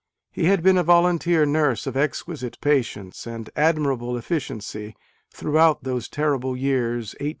He had been a volunteer nurse of exquisite patience and admirable efficiency throughout those terrible years 1862 64.